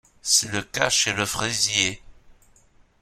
C'est le cas chez le fraisier.